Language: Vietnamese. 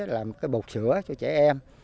là một cái bột sữa cho trẻ em